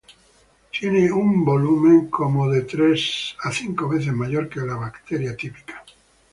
Tiene un volumen tres a cinco veces mayor que la bacteria típica.